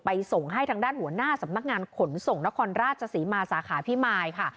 ส่งให้ทางด้านหัวหน้าสำนักงานขนส่งนครราชศรีมาสาขาพิมายค่ะ